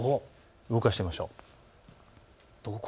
動かしてみましょう。